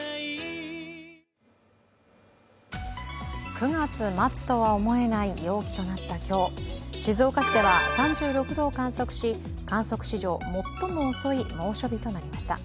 ９月末とは思えない陽気となった今日、静岡市では３６度を観測し、観測史上最も遅い猛暑日となりました。